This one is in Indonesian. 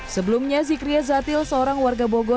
sebelumnya zikriya zatil seorang warga bogor melayang